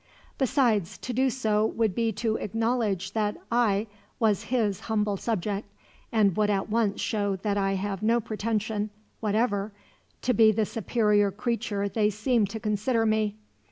Besides, to do so would be to acknowledge that I was his humble subject, and would at once show that I have no pretension, whatever, to be the superior creature they seem to consider me.